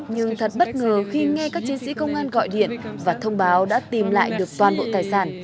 nhưng thật bất ngờ khi nghe các chiến sĩ công an gọi điện và thông báo đã tìm lại được toàn bộ tài sản